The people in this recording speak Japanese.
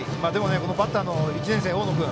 バッターの１年生、大野君